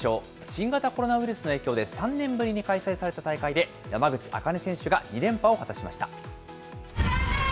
新型コロナウイルスの影響で、３年ぶりに開催された大会で、山口茜選手が２連覇を果たしました。